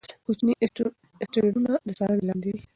کوچني اسټروېډونه د څارنې لاندې دي.